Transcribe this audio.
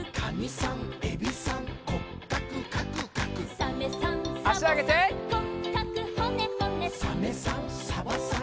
「サメさんサバさん